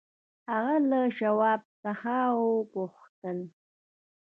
هغه له شواب څخه وپوښتل.